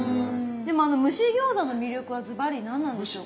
でもあの蒸し餃子の魅力はずばり何なんでしょうか？